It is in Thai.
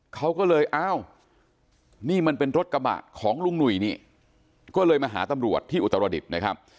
เขาก็เลยอ้าวนี่มันเป็นรถกระบะของลุงหนุ่ยนี่ก็เลยมาหาตำรวจที่อุตรดิษฐ์นะครับ